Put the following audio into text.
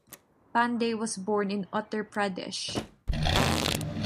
Pandey was born in Uttar Pradesh.